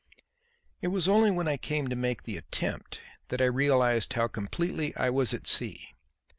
It was only when I came to make the attempt that I realized how completely I was at sea.